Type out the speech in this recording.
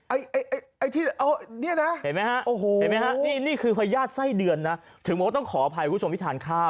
ไอ้ที่เนี่ยนะเห็นมั้ยฮะนี่คือพญาติไส้เดือนนะถึงหมอต้องขออภัยคุณผู้ชมที่ทานข้าว